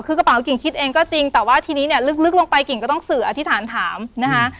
คือกระเป๋ากิ่งคิดเองก็จริงแต่ว่าทีนี้เนี่ยลึกลงไปกิ่งก็ต้องสื่ออธิษฐานถามนะคะ